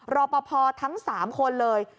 รอปภทั้ง๓คนเลย